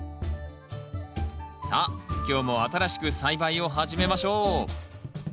さあ今日も新しく栽培を始めましょう